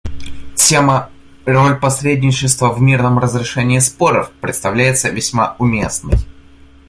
Тема «Роль посредничества в мирном разрешении споров» представляется весьма уместной.